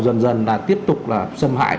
dần dần là tiếp tục là xâm hãi